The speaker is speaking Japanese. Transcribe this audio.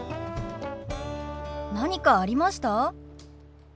何かありました？